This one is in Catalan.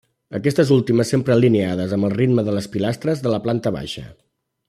Aquestes últimes sempre alineades amb el ritme de les pilastres de la planta baixa.